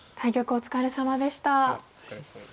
お疲れさまでした。